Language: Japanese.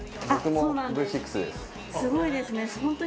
すごいですね。